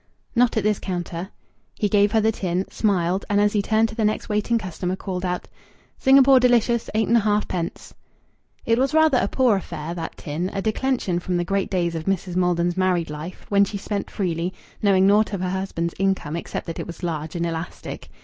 "Not at this counter." He gave her the tin, smiled, and as he turned to the next waiting customer, called out "Singapore Delicious, eight and a half pence." It was rather a poor affair, that tin a declension from the great days of Mrs. Maldon's married life, when she spent freely, knowing naught of her husband's income except that it was large and elastic.